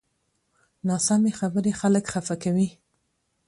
ناسمې خبرې خلک خفه کوي